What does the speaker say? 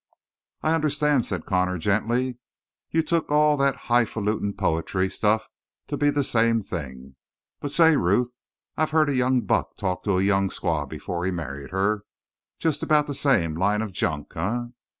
"I understand," said Connor gently. "You took all that highfaluting poetry stuff to be the same thing. But, say, Ruth, I've heard a young buck talk to a young squaw before he married her. Just about the same line of junk, eh?